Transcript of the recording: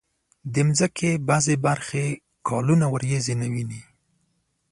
د مځکې ځینې برخې کلونه وریځې نه ویني.